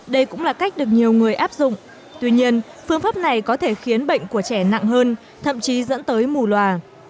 đây cũng là cách được nhiều người áp dụng tuy nhiên phương pháp này có thể khiến bệnh của trẻ nặng hơn thậm chí dẫn tới mù loà